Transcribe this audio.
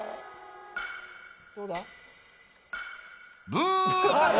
ブー！